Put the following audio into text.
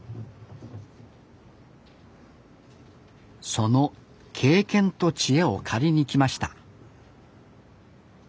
その経験と知恵を借りに来ました